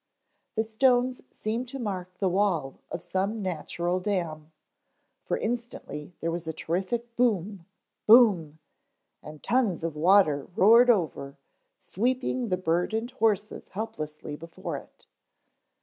The stones seemed to mark the wall of some natural dam, for instantly there was a terrific boom, boom, and tons of water roared over, sweeping the burdened horses helplessly before it.